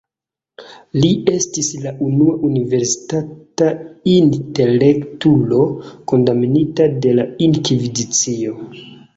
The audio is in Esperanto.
Li estis la unua universitata intelektulo kondamnita de la Inkvizicio.